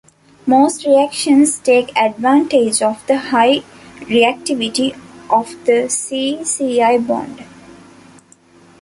Most reactions take advantage of the high reactivity of the C-Cl bond.